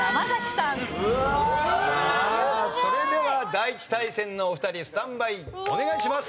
さあそれでは第１対戦のお二人スタンバイお願いします。